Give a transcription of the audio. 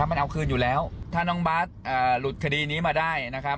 มันเอาคืนอยู่แล้วถ้าน้องบาทหลุดคดีนี้มาได้นะครับ